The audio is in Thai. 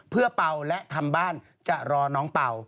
เพื่อเป่าและทำบ้านจะรอน้องเป่า